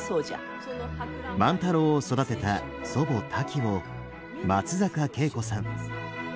万太郎を育てた祖母タキを松坂慶子さん。